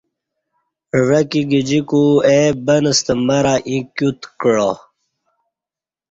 عوہ کی گجیکو اے بن ستہ مرہ ییں کیوت کعا